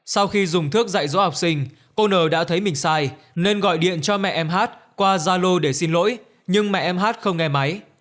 sau khi dùng thuốc dạy dỗ học sinh cô n đã thấy mình sai nên gọi điện cho mẹ em hát qua zalo để xin lỗi nhưng mẹ em hát không nghe máy